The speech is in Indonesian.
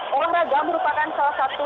orang raga merupakan salah satu